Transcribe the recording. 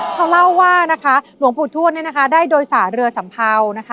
เขาเล่าว่าหลวงปู่ทวดได้โดยสระเรือสำเภา